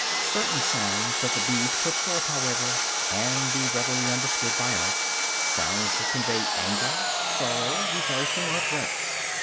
Certain sounds that the bees put forth, however, can be readily understood by us, sounds that convey anger, sorrow, rejoicing or threats.